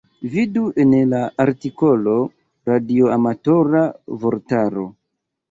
Vidu en la artikolo radioamatora vortaro.